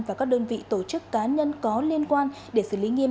và các đơn vị tổ chức cá nhân có liên quan để xử lý nghiêm